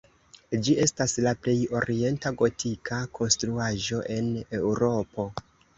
Ĝi estas la plej orienta gotika konstruaĵo en Eŭropo.